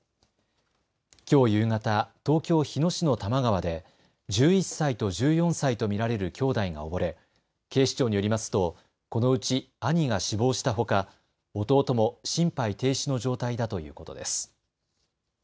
きょう夕方、東京日野市の多摩川で１１歳と１４歳と見られる兄弟が溺れ、警視庁によりますとこのうち兄が死亡したほか弟も心肺停止の状態だということです。